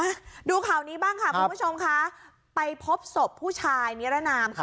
มาดูข่าวนี้บ้างค่ะคุณผู้ชมค่ะไปพบศพผู้ชายนิรนามค่ะ